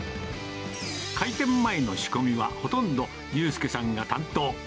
開店前の仕込みは、ほとんど悠佑さんが担当。